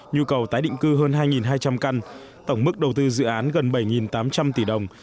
nhu cầu tái định cư hơn hai hai trăm linh căn tổng mức đầu tư dự án gần bảy tám trăm linh tỷ đồng